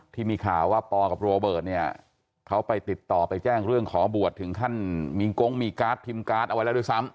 ที่มีข่าวว่าปอกับโรเบิร์ตเนี่ยเขาไปติดต่อไปแจ้งเรื่องขอบวชถึงขั้นมีกงมีการ์ดพิมพ์การ์ดเอาไว้แล้วด้วยซ้ำ